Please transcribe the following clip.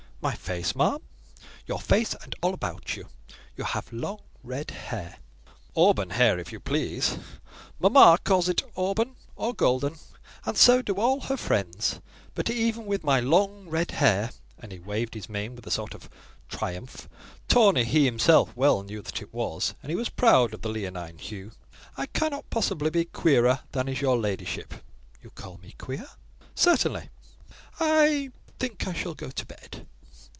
"My face, ma'am?" "Your face and all about you: You have long red hair." "Auburn hair, if you please: mamma, calls it auburn, or golden, and so do all her friends. But even with my 'long red hair'" (and he waved his mane with a sort of triumph—tawny he himself well knew that it was, and he was proud of the leonine hue), "I cannot possibly be queerer than is your ladyship." "You call me queer?" "Certainly." (After a pause), "I think I shall go to bed."